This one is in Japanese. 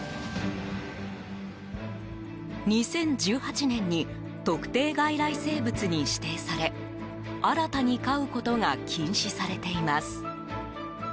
２０１８年に特定外来生物に指定され新たに飼うことが禁止されています。